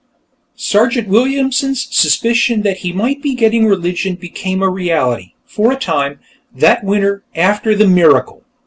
Sergeant Williamson's suspicion that he might be getting religion became a reality, for a time, that winter, after The Miracle.